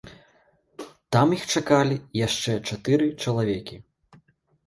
Там іх чакалі яшчэ чатыры чалавекі.